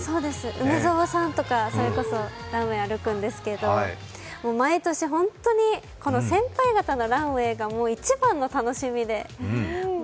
梅澤さんとか、それこそランウェイ歩くんですけど、毎年、ホントに先輩方のランウェイが一番の楽しみで。